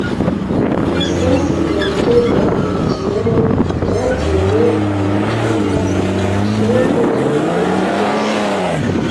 isasu ryanjye ryakurikiyeho ryagiye mu mucanga, ishoti ryo gutinya rwose